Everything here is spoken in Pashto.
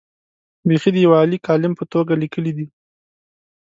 بېخي د یوه عالي کالم په توګه لیکلي دي.